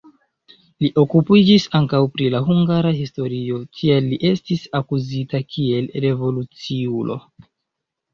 Li okupiĝis ankaŭ pri la hungara historio, tial li estis akuzita kiel revoluciulo.